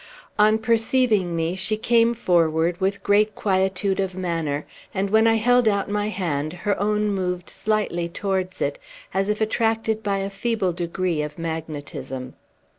On perceiving me, she came forward with great quietude of manner; and when I held out my hand, her own moved slightly towards it, as if attracted by a feeble degree of magnetism.